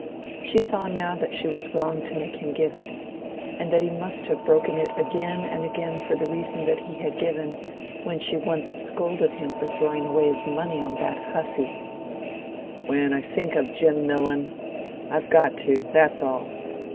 She saw now that she was wrong to make him give it, and that he must have broken it again and again for the reason that he had given when she once scolded him for throwing away his money on that hussy "When I think of Jim Millon, I've got to; that's all."